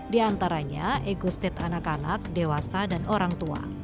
di antaranya ego state anak anak dewasa dan orang tua